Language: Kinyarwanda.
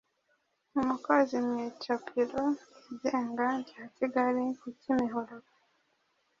Umukozi mu icapiro ryigenga rya Kigali ku Kimihurura